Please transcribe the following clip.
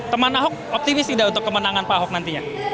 teman ahok optimis tidak untuk kemenangan pak ahok nantinya